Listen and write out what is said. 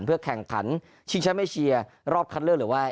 เพื่อแข่งขันชิงแชมป์เอเชียรอบคัดเลือกหรือว่า